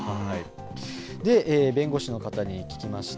弁護士の方に聞きました。